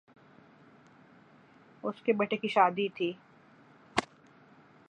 س کے بیٹے کی شادی تھی